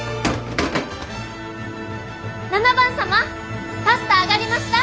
７番様パスタ上がりました。